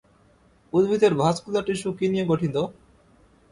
উদ্ভিদের vascular tissue কি নিয়ে গঠিত?